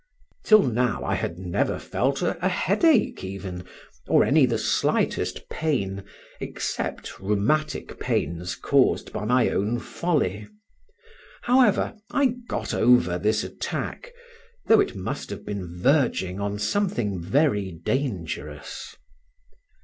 Till now I had never felt a headache even, or any the slightest pain, except rheumatic pains caused by my own folly. However, I got over this attack, though it must have been verging on something very dangerous.